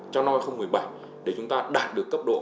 trong năm hai nghìn một mươi bảy để chúng ta đạt được cấp độ